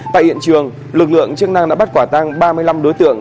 tại hiện trường lực lượng chức năng đã bắt quả tăng ba mươi năm đối tượng